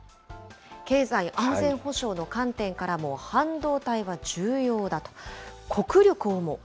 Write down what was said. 経済・安全保障の観点からも、半導体は重要だと。